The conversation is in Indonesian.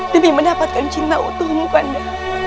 demi mendapatkan cinta utuhmu panda